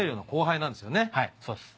はいそうです。